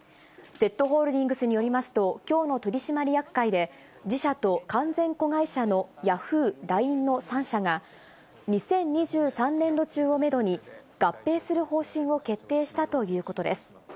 Ｚホールディングスによりますと、きょうの取締役会で、自社と完全子会社のヤフー、ＬＩＮＥの３社が、２０２３年度中をメドに、合併する方針を決定したということです。